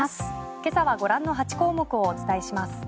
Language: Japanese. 今朝はご覧の８項目をお伝えします。